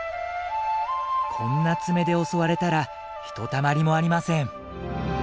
こんな爪で襲われたらひとたまりもありません。